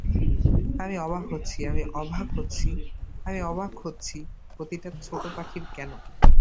আমি অবাক হচ্ছি আমি অবাক হচ্ছি আমি অবাক হচ্ছি প্রতিটা ছোট পাখির কেনো।